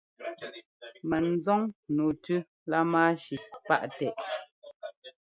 Mɛnzɔn nǔu tú lámáshi páʼtɛ́.